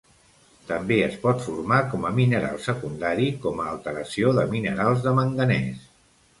També es pot formar com a mineral secundari com a alteració de minerals de manganès.